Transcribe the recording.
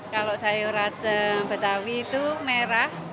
kalau sayur asem betawi itu merah